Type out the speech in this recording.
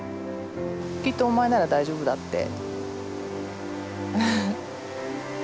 きっと「お前なら大丈夫だ」って。